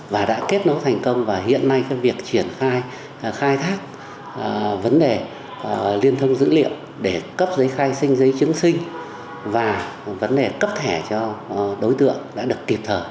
và đã kết nối thành công và hiện nay việc triển khai khai thác vấn đề liên thông dữ liệu để cấp giấy khai sinh giấy chứng sinh và vấn đề cấp thẻ cho đối tượng đã được kịp thở